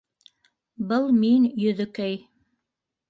— Был мин, Йөҙөкәй.